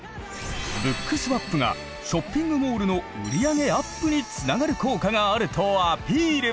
Ｂｏｏｋｓｗａｐがショッピングモールの売り上げアップにつながる効果があるとアピール！